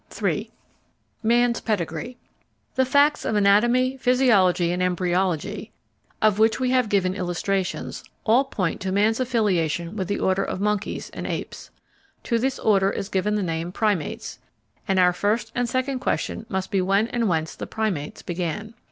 § 3 Man's Pedigree The facts of anatomy, physiology, and embryology, of which we have given illustrations, all point to man's affiliation with the order of monkeys and apes. To this order is given the name Primates, and our first and second question must be when and whence the Primates began.